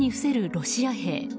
ロシア兵。